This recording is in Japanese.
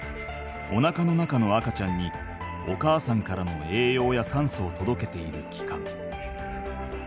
おなかの中の赤ちゃんにお母さんからの栄養やさんそを届けているきかん。